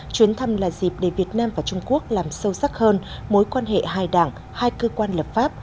chuyến thăm là dịp để việt nam và trung quốc làm sâu sắc hơn mối quan hệ hai đảng hai cơ quan lập pháp